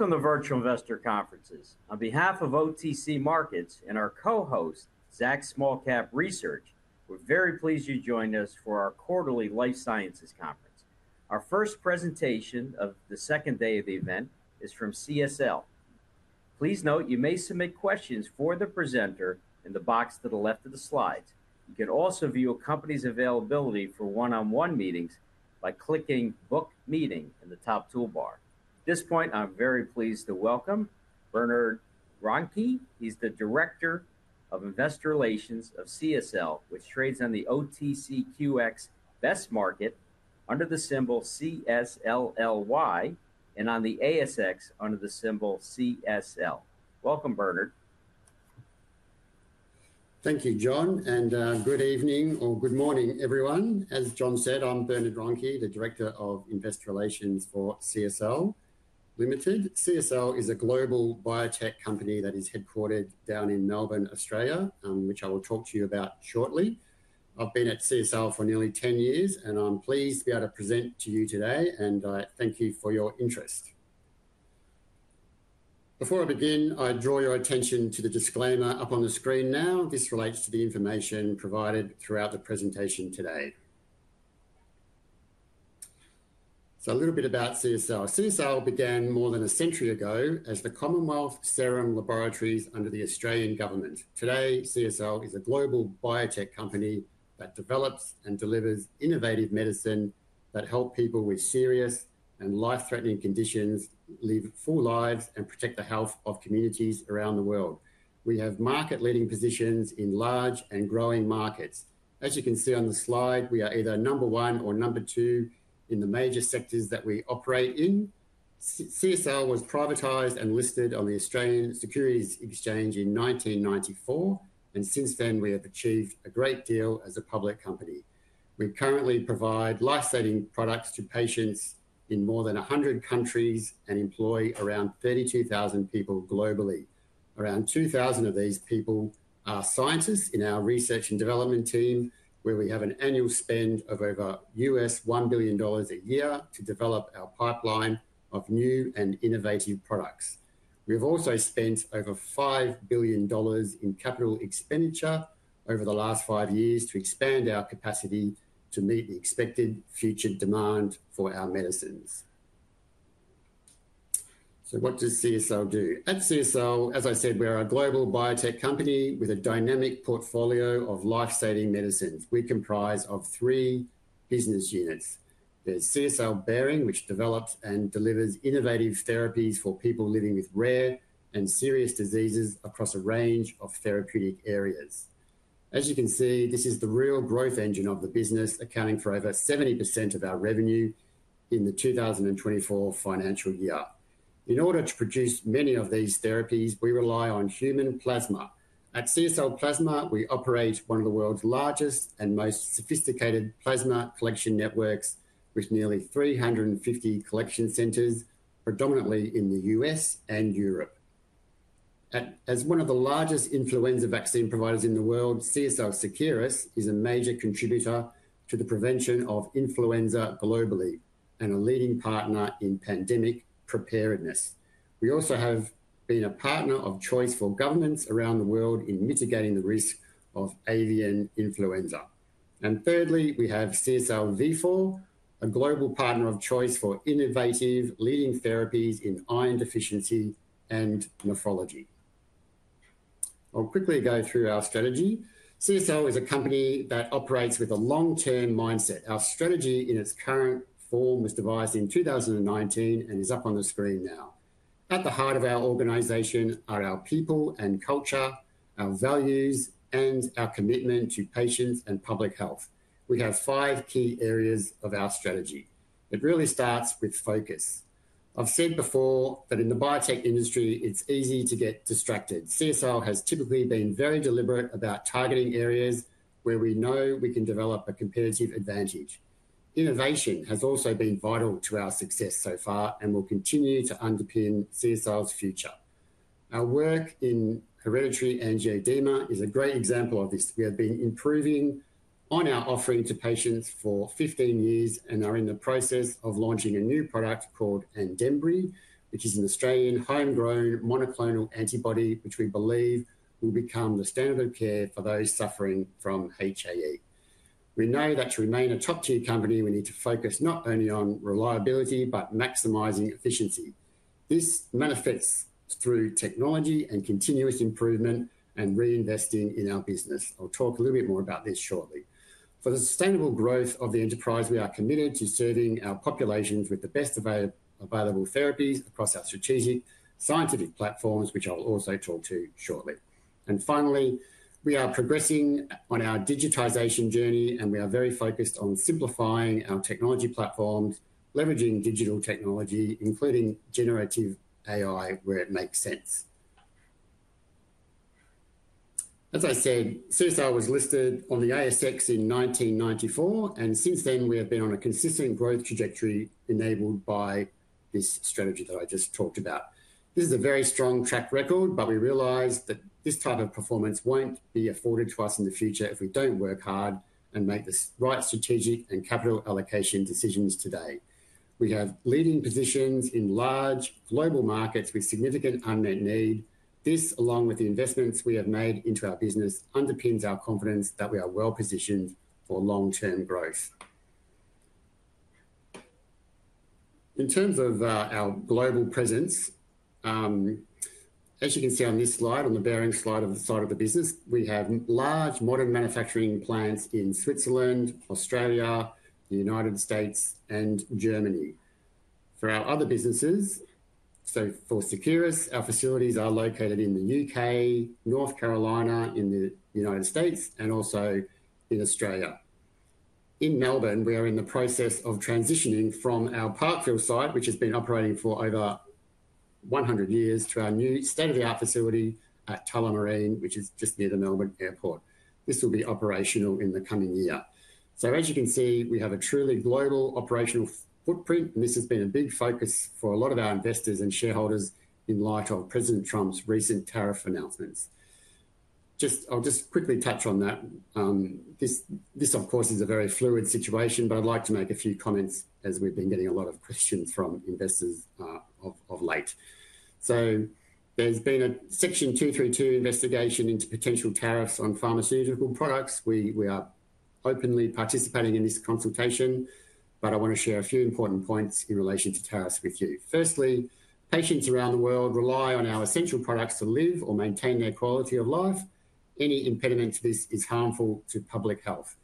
Welcome to Virtual Investor Conferences. On behalf of OTC Markets and our co-host, Zacks Small Cap Research, we're very pleased you joined us for our quarterly Life Sciences Conference. Our first presentation of the second day of the event is from CSL. Please note you may submit questions for the presenter in the box to the left of the slides. You can also view a company's availability for one-on-one meetings by clicking "Book Meeting" in the top toolbar. At this point, I'm very pleased to welcome Bernard Ronchi. He's the Director of Investor Relations of CSL, which trades on the OTCQX Best Market under the symbol CSLLY and on the ASX under the symbol CSL. Welcome, Bernard. Thank you, John, and good evening or good morning, everyone. As John said, I'm Bernard Ronchi, the Director of Investor Relations for CSL Limited. CSL is a global biotech company that is headquartered down in Melbourne, Australia, which I will talk to you about shortly. I've been at CSL for nearly 10 years, and I'm pleased to be able to present to you today, and I thank you for your interest. Before I begin, I draw your attention to the disclaimer up on the screen now. This relates to the information provided throughout the presentation today. A little bit about CSL. CSL began more than a century ago as the Commonwealth Serum Laboratories under the Australian government. Today, CSL is a global biotech company that develops and delivers innovative medicine that helps people with serious and life-threatening conditions live full lives and protect the health of communities around the world. We have market-leading positions in large and growing markets. As you can see on the slide, we are either number one or number two in the major sectors that we operate in. CSL was privatized and listed on the Australian Securities Exchange in 1994, and since then, we have achieved a great deal as a public company. We currently provide life-saving products to patients in more than 100 countries and employ around 32,000 people globally. Around 2,000 of these people are scientists in our research and development team, where we have an annual spend of over $1 billion a year to develop our pipeline of new and innovative products. We have also spent over $5 billion in capital expenditure over the last five years to expand our capacity to meet the expected future demand for our medicines. What does CSL do? At CSL, as I said, we are a global biotech company with a dynamic portfolio of life-saving medicines. We comprise three business units. There's CSL Behring, which develops and delivers innovative therapies for people living with rare and serious diseases across a range of therapeutic areas. As you can see, this is the real growth engine of the business, accounting for over 70% of our revenue in the 2024 financial year. In order to produce many of these therapies, we rely on human plasma. At CSL Plasma, we operate one of the world's largest and most sophisticated plasma collection networks, with nearly 350 collection centers, predominantly in the U.S. and Europe. As one of the largest influenza vaccine providers in the world, CSL Seqirus is a major contributor to the prevention of influenza globally and a leading partner in pandemic preparedness. We also have been a partner of choice for governments around the world in mitigating the risk of avian influenza. Thirdly, we have CSL Vifor, a global partner of choice for innovative leading therapies in iron deficiency and nephrology. I'll quickly go through our strategy. CSL is a company that operates with a long-term mindset. Our strategy in its current form was devised in 2019 and is up on the screen now. At the heart of our organization are our people and culture, our values, and our commitment to patients and public health. We have five key areas of our strategy. It really starts with focus. I've said before that in the biotech industry, it's easy to get distracted. CSL has typically been very deliberate about targeting areas where we know we can develop a competitive advantage. Innovation has also been vital to our success so far and will continue to underpin CSL's future. Our work in hereditary angioedema is a great example of this. We have been improving on our offering to patients for 15 years and are in the process of launching a new product called ANDEMBRY, which is an Australian homegrown monoclonal antibody, which we believe will become the standard of care for those suffering from HAE. We know that to remain a top-tier company, we need to focus not only on reliability, but maximizing efficiency. This manifests through technology and continuous improvement and reinvesting in our business. I'll talk a little bit more about this shortly. For the sustainable growth of the enterprise, we are committed to serving our populations with the best available therapies across our strategic scientific platforms, which I'll also talk to shortly. Finally, we are progressing on our digitization journey, and we are very focused on simplifying our technology platforms, leveraging digital technology, including generative AI where it makes sense. As I said, CSL was listed on the ASX in 1994, and since then, we have been on a consistent growth trajectory enabled by this strategy that I just talked about. This is a very strong track record, but we realize that this type of performance will not be afforded to us in the future if we do not work hard and make the right strategic and capital allocation decisions today. We have leading positions in large global markets with significant unmet need. This, along with the investments we have made into our business, underpins our confidence that we are well-positioned for long-term growth. In terms of our global presence, as you can see on this slide, on the Behring side of the business, we have large modern manufacturing plants in Switzerland, Australia, the United States, and Germany. For our other businesses, so for Seqirus, our facilities are located in the U.K., North Carolina in the United States, and also in Australia. In Melbourne, we are in the process of transitioning from our Parkville site, which has been operating for over 100 years, to our new state-of-the-art facility at Tullamarine, which is just near the Melbourne Airport. This will be operational in the coming year. As you can see, we have a truly global operational footprint, and this has been a big focus for a lot of our investors and shareholders in light of President Trump's recent tariff announcements. I'll just quickly touch on that. This, of course, is a very fluid situation, but I'd like to make a few comments as we've been getting a lot of questions from investors of late. There's been a Section 232 investigation into potential tariffs on pharmaceutical products. We are openly participating in this consultation, but I want to share a few important points in relation to tariffs with you. Firstly, patients around the world rely on our essential products to live or maintain their quality of life. Any impediment to this is harmful to public health.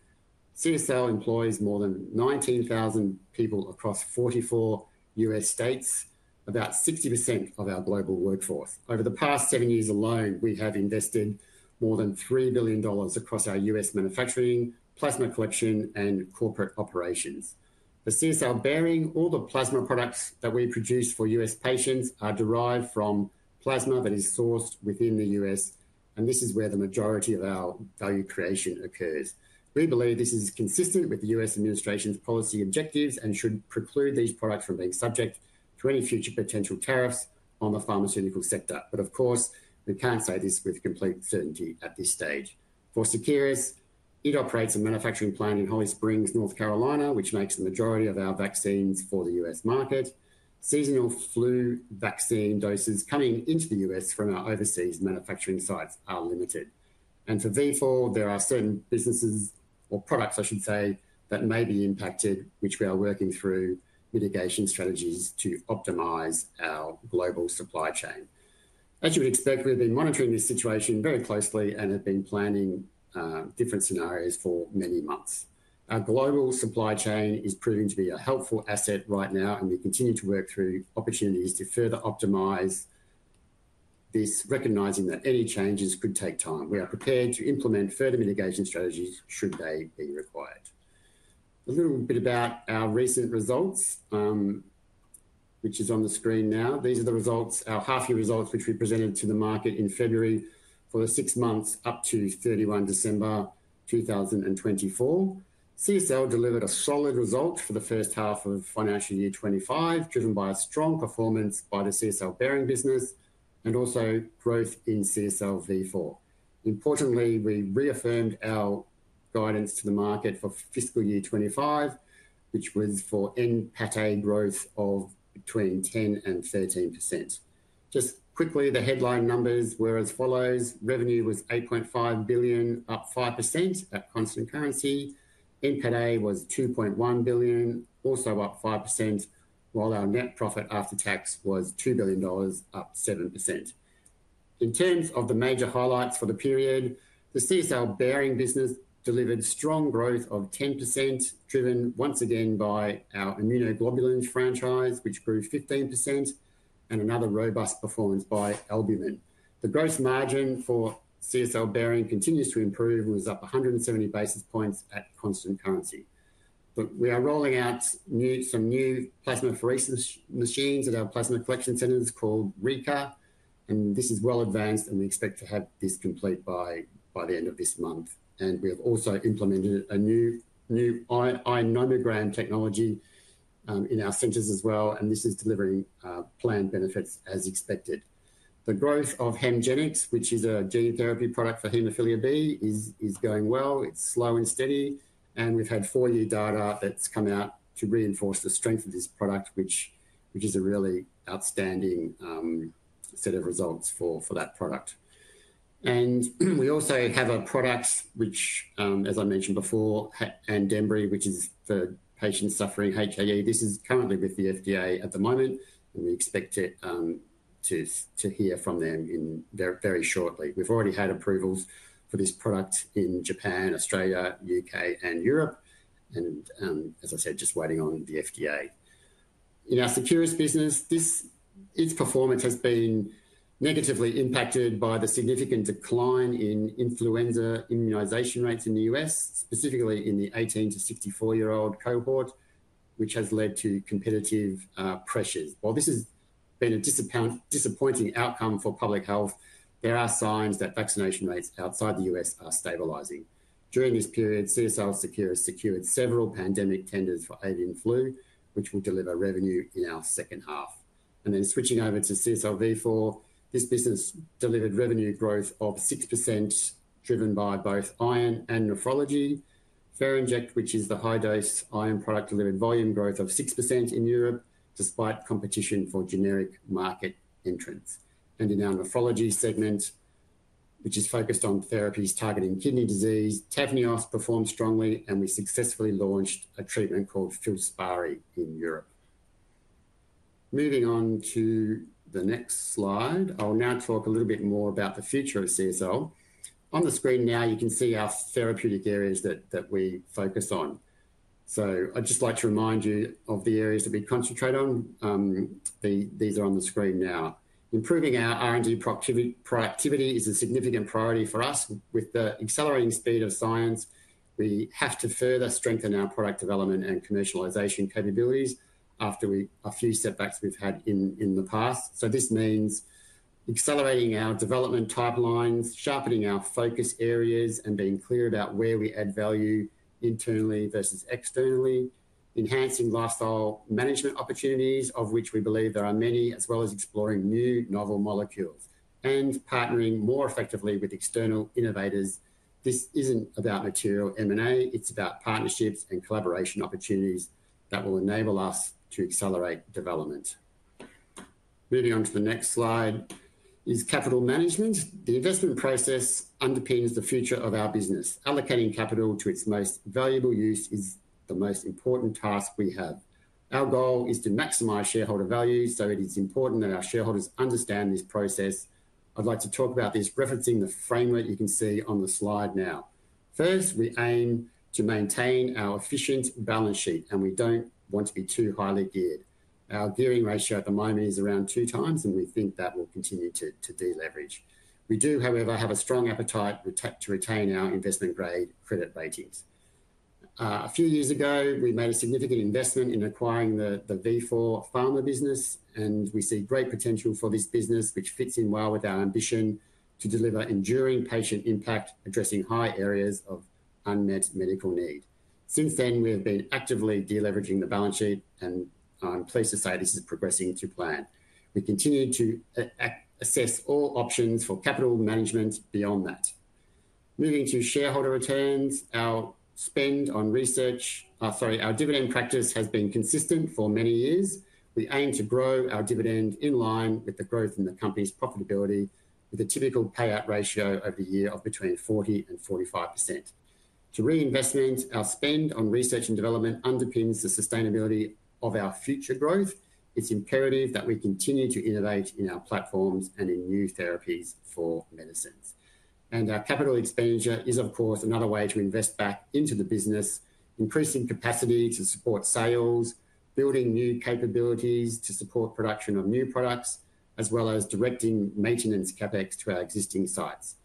CSL employs more than 19,000 people across 44 U.S. states, about 60% of our global workforce. Over the past seven years alone, we have invested more than $3 billion across our U.S. manufacturing, plasma collection, and corporate operations. The CSL Behring, all the plasma products that we produce for U.S. patients, are derived from plasma that is sourced within the U.S., and this is where the majority of our value creation occurs. We believe this is consistent with the U.S. administration's policy objectives and should preclude these products from being subject to any future potential tariffs on the pharmaceutical sector. Of course, we can't say this with complete certainty at this stage. For Seqirus, it operates a manufacturing plant in Holly Springs, North Carolina, which makes the majority of our vaccines for the U.S. market. Seasonal flu vaccine doses coming into the U.S. from our overseas manufacturing sites are limited. For V4, there are certain businesses or products, I should say, that may be impacted, which we are working through mitigation strategies to optimize our global supply chain. As you would expect, we've been monitoring this situation very closely and have been planning different scenarios for many months. Our global supply chain is proving to be a helpful asset right now, and we continue to work through opportunities to further optimize this, recognizing that any changes could take time. We are prepared to implement further mitigation strategies should they be required. A little bit about our recent results, which is on the screen now. These are the results, our half-year results, which we presented to the market in February for the six months up to 31 December 2024. CSL delivered a solid result for the first half of financial year 2025, driven by a strong performance by the CSL Behring business and also growth in CSL Vifor. Importantly, we reaffirmed our guidance to the market for fiscal year 2025, which was for NPATA growth of between 10% and 13%. Just quickly, the headline numbers were as follows: revenue was $8.5 billion, up 5% at constant currency. NPATA was $2.1 billion, also up 5%, while our net profit after tax was $2 billion, up 7%. In terms of the major highlights for the period, the CSL Behring business delivered strong growth of 10%, driven once again by our immunoglobulins franchise, which grew 15%, and another robust performance by albumin. The gross margin for CSL Behring continues to improve and was up 170 basis points at constant currency. We are rolling out some new plasmapheresis machines at our plasma collection centers called RECA, and this is well advanced, and we expect to have this complete by the end of this month. We have also implemented a new iNomogram technology in our centers as well, and this is delivering planned benefits as expected. The growth of HEMGENIX, which is a gene therapy product for Hemophilia B, is going well. It's slow and steady, and we've had four-year data that's come out to reinforce the strength of this product, which is a really outstanding set of results for that product. We also have a product which, as I mentioned before, ANDEMBRY, which is for patients suffering HAE. This is currently with the FDA at the moment, and we expect to hear from them very shortly. We've already had approvals for this product in Japan, Australia, U.K., and Europe, and, as I said, just waiting on the FDA. In our Seqirus business, its performance has been negatively impacted by the significant decline in influenza immunization rates in the U.S., specifically in the 18- to 64-year-old cohort, which has led to competitive pressures. While this has been a disappointing outcome for public health, there are signs that vaccination rates outside the U.S. are stabilizing. During this period, CSL Seqirus secured several pandemic tenders for avian influenza, which will deliver revenue in our second half. Switching over to CSL Vifor, this business delivered revenue growth of 6%, driven by both iron and nephrology. Ferinject, which is the high-dose iron product, delivered volume growth of 6% in Europe, despite competition from generic market entrants. In our nephrology segment, which is focused on therapies targeting kidney disease, TAVNEOS performed strongly, and we successfully launched a treatment called FILSPARI in Europe. Moving on to the next slide, I'll now talk a little bit more about the future of CSL. On the screen now, you can see our therapeutic areas that we focus on. I'd just like to remind you of the areas that we concentrate on. These are on the screen now. Improving our R&D productivity is a significant priority for us. With the accelerating speed of science, we have to further strengthen our product development and commercialization capabilities after a few setbacks we've had in the past. This means accelerating our development pipelines, sharpening our focus areas, and being clear about where we add value internally versus externally, enhancing lifestyle management opportunities, of which we believe there are many, as well as exploring new novel molecules, and partnering more effectively with external innovators. This isn't about material M&A; it's about partnerships and collaboration opportunities that will enable us to accelerate development. Moving on to the next slide is capital management. The investment process underpins the future of our business. Allocating capital to its most valuable use is the most important task we have. Our goal is to maximize shareholder value, so it is important that our shareholders understand this process. I'd like to talk about this referencing the framework you can see on the slide now. First, we aim to maintain our efficient balance sheet, and we don't want to be too highly geared. Our gearing ratio at the moment is around two times, and we think that will continue to deleverage. We do, however, have a strong appetite to retain our investment-grade credit ratings. A few years ago, we made a significant investment in acquiring the Vifor pharma business, and we see great potential for this business, which fits in well with our ambition to deliver enduring patient impact, addressing high areas of unmet medical need. Since then, we have been actively deleveraging the balance sheet, and I'm pleased to say this is progressing to plan. We continue to assess all options for capital management beyond that. Moving to shareholder returns, our spend on research, sorry, our dividend practice has been consistent for many years. We aim to grow our dividend in line with the growth in the company's profitability, with a typical payout ratio over the year of between 40 and 45%. To reinvestment, our spend on research and development underpins the sustainability of our future growth. It's imperative that we continue to innovate in our platforms and in new therapies for medicines. Our capital expenditure is, of course, another way to invest back into the business, increasing capacity to support sales, building new capabilities to support production of new products, as well as directing maintenance CapEx to our existing sites.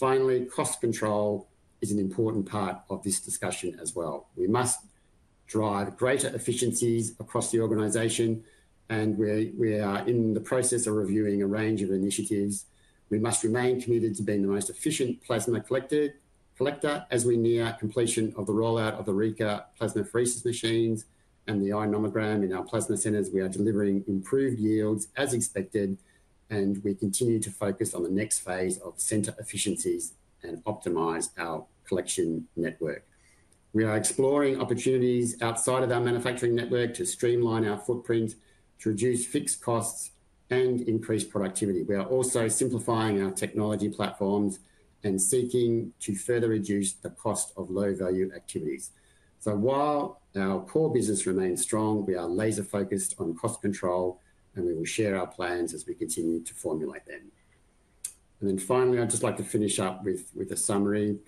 Finally, cost control is an important part of this discussion as well. We must drive greater efficiencies across the organization, and we are in the process of reviewing a range of initiatives. We must remain committed to being the most efficient plasma collector. As we near completion of the rollout of the RECA plasmapheresis machines and the iNomogram in our plasma centers, we are delivering improved yields as expected, and we continue to focus on the next phase of center efficiencies and optimize our collection network. We are exploring opportunities outside of our manufacturing network to streamline our footprint, to reduce fixed costs, and increase productivity. We are also simplifying our technology platforms and seeking to further reduce the cost of low-value activities. While our core business remains strong, we are laser-focused on cost control, and we will share our plans as we continue to formulate them. Finally, I'd just like to finish up with a summary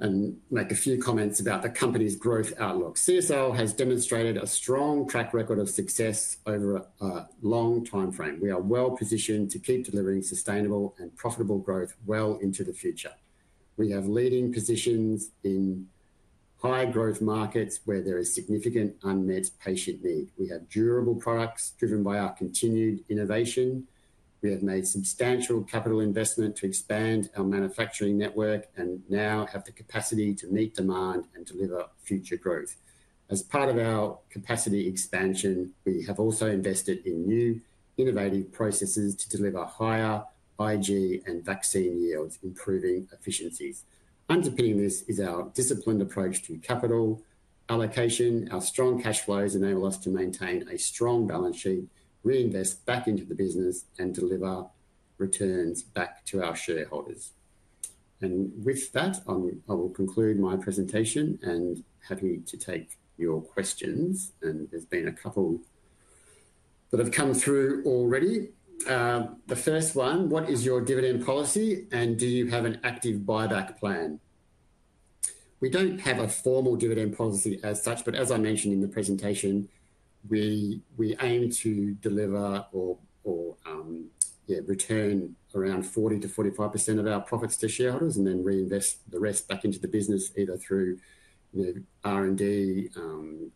and make a few comments about the company's growth outlook. CSL has demonstrated a strong track record of success over a long time frame. We are well positioned to keep delivering sustainable and profitable growth well into the future. We have leading positions in high-growth markets where there is significant unmet patient need. We have durable products driven by our continued innovation. We have made substantial capital investment to expand our manufacturing network and now have the capacity to meet demand and deliver future growth. As part of our capacity expansion, we have also invested in new innovative processes to deliver higher Ig and vaccine yields, improving efficiencies. Underpinning this is our disciplined approach to capital allocation. Our strong cash flows enable us to maintain a strong balance sheet, reinvest back into the business, and deliver returns back to our shareholders. I will conclude my presentation, and happy to take your questions. There has been a couple that have come through already. The first one, what is your dividend policy, and do you have an active buyback plan? We do not have a formal dividend policy as such, but as I mentioned in the presentation, we aim to deliver or return around 40-45% of our profits to shareholders and then reinvest the rest back into the business, either through R&D,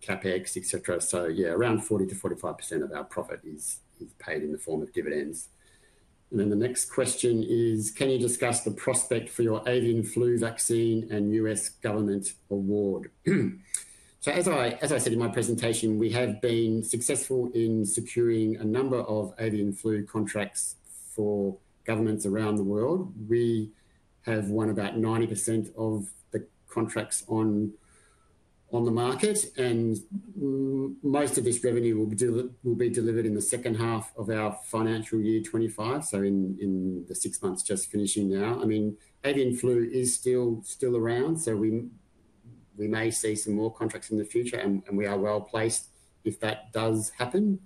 CapEx, etc. Yeah, around 40-45% of our profit is paid in the form of dividends. The next question is, can you discuss the prospect for your avian flu vaccine and U.S. government award? As I said in my presentation, we have been successful in securing a number of avian flu contracts for governments around the world. We have won about 90% of the contracts on the market, and most of this revenue will be delivered in the second half of our financial year 2025, so in the six months just finishing now. I mean, avian flu is still around, so we may see some more contracts in the future, and we are well placed if that does happen.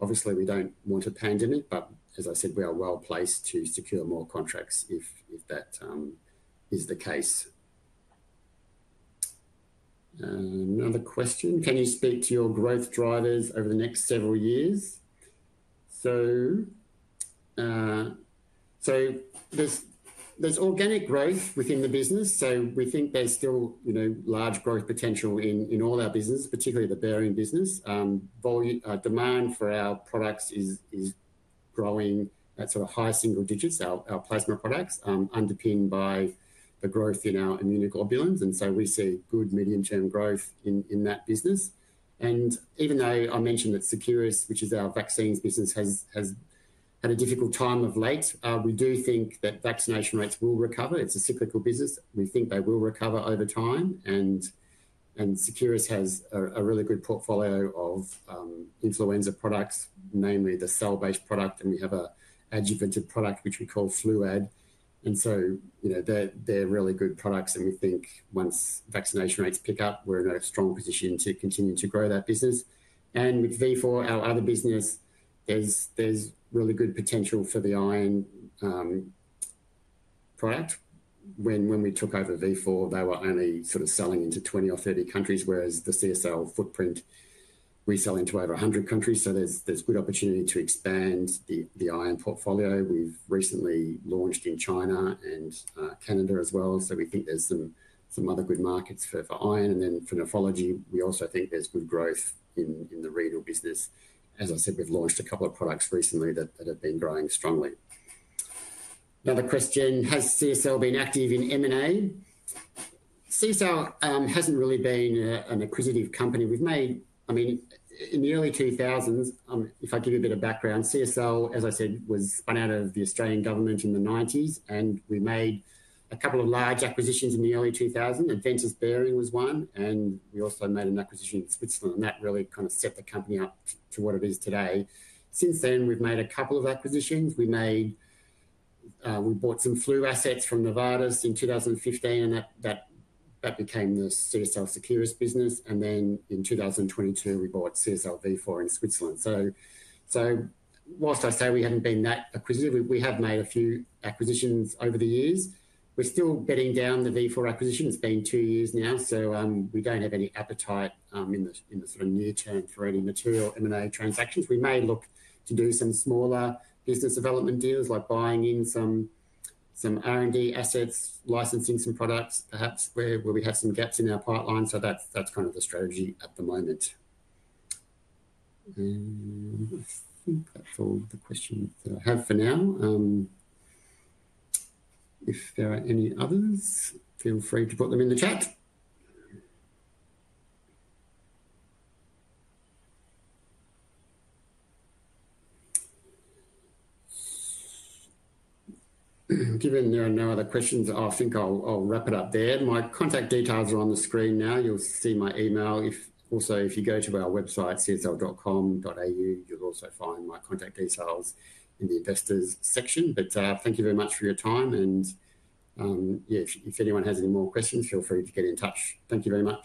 Obviously, we do not want a pandemic, but as I said, we are well placed to secure more contracts if that is the case. Another question, can you speak to your growth drivers over the next several years? There is organic growth within the business, so we think there is still large growth potential in all our business, particularly the Behring business. Demand for our products is growing at sort of high single digits, our plasma products, underpinned by the growth in our immunoglobulins, and we see good medium-term growth in that business. Even though I mentioned that Seqirus, which is our vaccines business, has had a difficult time of late, we do think that vaccination rates will recover. It is a cyclical business. We think they will recover over time, and Seqirus has a really good portfolio of influenza products, namely the cell-based product, and we have an adjuvanted product, which we call FluAd. They are really good products, and we think once vaccination rates pick up, we are in a strong position to continue to grow that business. With Vifor, our other business, there is really good potential for the iron product. When we took over Vifor, they were only sort of selling into 20 or 30 countries, whereas the CSL footprint, we sell into over 100 countries, so there's good opportunity to expand the iron portfolio. We've recently launched in China and Canada as well, so we think there's some other good markets for iron. And then for nephrology, we also think there's good growth in the renal business. As I said, we've launched a couple of products recently that have been growing strongly. Another question, has CSL been active in M&A? CSL hasn't really been an acquisitive company. I mean, in the early 2000s, if I give you a bit of background, CSL, as I said, was spun out of the Australian government in the 1990s, and we made a couple of large acquisitions in the early 2000s. Aventis Behring was one, and we also made an acquisition in Switzerland, and that really kind of set the company up to what it is today. Since then, we've made a couple of acquisitions. We bought some flu assets from Novartis in 2015, and that became the CSL Seqirus business. In 2022, we bought CSL Vifor in Switzerland. Whilst I say we haven't been that acquisitive, we have made a few acquisitions over the years. We're still bedding down the Vifor acquisition. It's been two years now, so we don't have any appetite in the sort of near-term for any material M&A transactions. We may look to do some smaller business development deals, like buying in some R&D assets, licensing some products, perhaps where we have some gaps in our pipeline. That's kind of the strategy at the moment. I think that's all the questions that I have for now. If there are any others, feel free to put them in the chat. Given there are no other questions, I think I'll wrap it up there. My contact details are on the screen now. You'll see my email. Also, if you go to our website, csl.com.au, you'll also find my contact details in the investors section. Thank you very much for your time. Yeah, if anyone has any more questions, feel free to get in touch. Thank you very much.